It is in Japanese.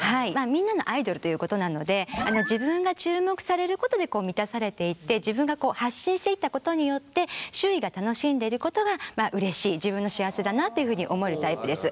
みんなのアイドルということなので自分が注目されることで満たされていって自分が発信していったことによって周囲が楽しんでいることがうれしい自分の幸せだなというふうに思えるタイプです。